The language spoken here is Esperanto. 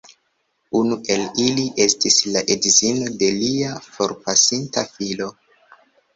Unu el ili estis la edzino de lia forpasinta filo.